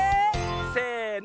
せの。